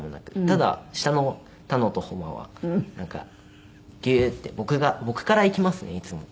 ただ下の楽と誉はなんかギューッて僕が僕から行きますねいつも。